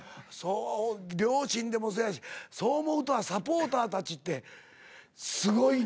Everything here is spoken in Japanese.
両親でもそやしそう思うとサポーターたちってすごいな。